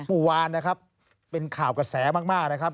เมื่อวานนะครับเป็นข่าวกระแสมากนะครับ